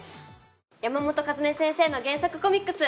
山本和音先生の原作コミックス。